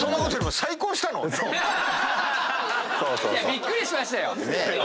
びっくりしましたよ。